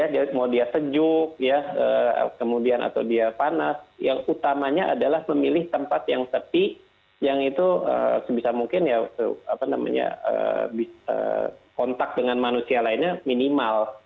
dia mau dia sejuk kemudian atau dia panas yang utamanya adalah memilih tempat yang sepi yang itu sebisa mungkin ya apa namanya kontak dengan manusia lainnya minimal